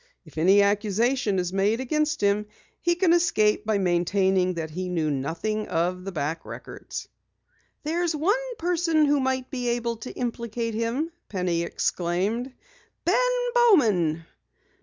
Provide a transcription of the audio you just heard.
If any accusation is made against him, he can escape by maintaining that he knew nothing of the back records." "There's one person who might be able to implicate him!" Penny exclaimed. "Ben Bowman!"